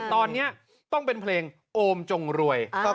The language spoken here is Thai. ตอนนี้ต้องเป็นเพลงโอมจงรวย